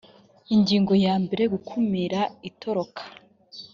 ingingo ya mbere gukumira itoroka